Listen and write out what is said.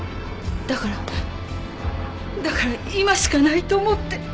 だからだから今しかないと思って。